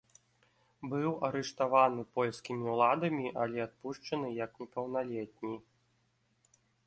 Быў арыштаваны польскімі ўладамі, але адпушчаны як непаўналетні.